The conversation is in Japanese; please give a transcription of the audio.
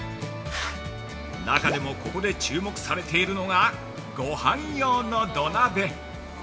中でもここで注目されているのがごはん用の土鍋。